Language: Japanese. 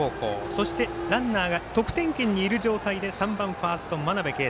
そして、ランナーが得点圏にいる状態で３番ファースト真鍋慧。